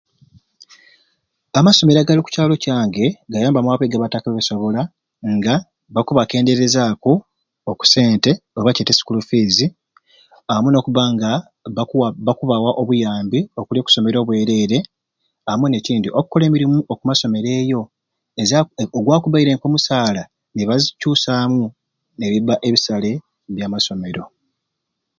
Amasomero agali oku kyalo kyange gayambaku abantu abamwe abatakwesobola nga bakubakenderezaaku oku sente oba kyete sikuulu fiizi amwe n'okubba nga bakuwa bakubaza obuyambi obwa kusomera obwereere amwe n'ekindi okukola emirimu oku masomer'eyo ezaku egwakubbaire k'omusaala nibazicuusamu ne bibba ebisale byamasomero.